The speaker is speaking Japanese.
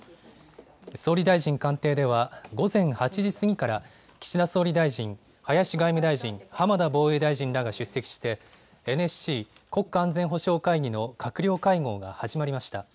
総理大臣官邸では午前８時過ぎから岸田総理大臣、林外務大臣、浜田防衛大臣らが出席してＮＳＣ・国家安全保障会議の閣僚会合が始まりました。